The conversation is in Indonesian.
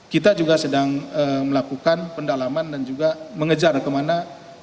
kita juga sedang melakukan pendalaman dan juga mengejar kemana